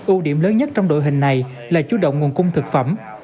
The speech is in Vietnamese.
ưu điểm lớn nhất trong đội hình này là chú động nguồn cung thực phẩm